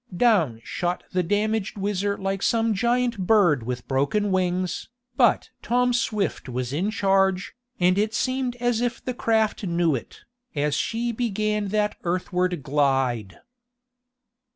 Down shot the damaged WHIZZER like some giant bird with broken wings, but Tom Swift was in charge, and it seemed as if the craft knew it, as she began that earthward glide.